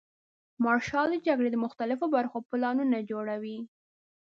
مارشال د جګړې د مختلفو برخو پلانونه جوړوي.